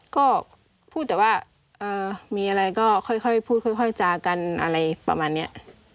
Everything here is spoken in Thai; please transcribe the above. ก็พูดแต่ว่ามีอะไรก็ค่อยพูดค่อยจากันอะไรประมาณนี้